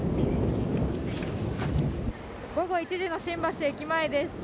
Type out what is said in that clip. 午後１時の新橋駅前です。